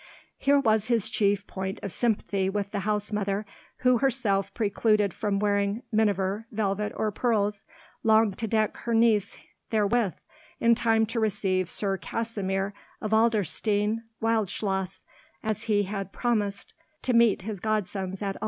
Here was his chief point of sympathy with the housemother, who, herself precluded from wearing miniver, velvet, or pearls, longed to deck her niece therewith, in time to receive Sir Kasimir of Adlerstein Wildschloss, as he had promised to meet his godsons at Ulm.